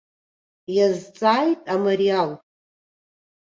Иазҵааит амариал.